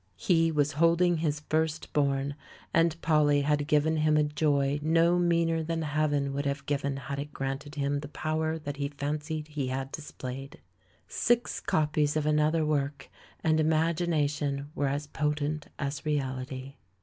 He was holding his firstborn, and Polly had given him a joy no meaner than Heaven would have given had it granted him the power that he fancied he had displayed. Six copies of another work, and im agination were as potent as reality.